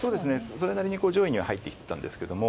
それなりに上位には入ってきてたんですけども。